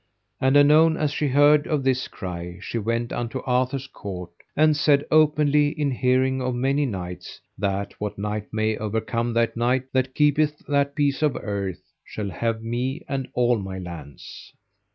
And anon as she heard of this cry she went unto Arthur's court, and said openly in hearing of many knights, that what knight may overcome that knight that keepeth that piece of earth shall have me and all my lands.